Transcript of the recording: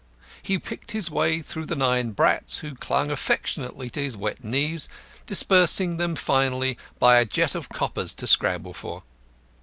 He picked his way through the nine brats who clung affectionately to his wet knees, dispersing them finally by a jet of coppers to scramble for.